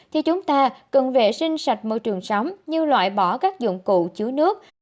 thì chúng ta cần vệ sinh sạch môi trường sống như loại bỏ các dụng cụ chứa nước